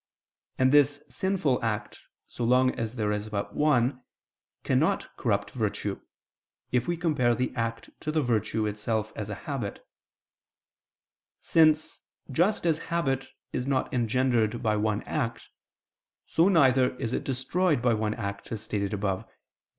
And this sinful act, so long as there is but one, cannot corrupt virtue, if we compare the act to the virtue itself as a habit: since, just as habit is not engendered by one act, so neither is it destroyed by one act as stated above (Q.